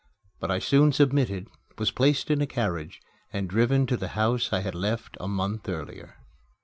But I soon submitted, was placed in a carriage, and driven to the house I had left a month earlier.